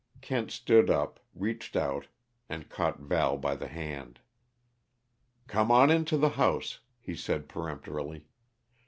Kent stood up, reached out, and caught Val by the hand. "Come on into the house," he said peremptorily.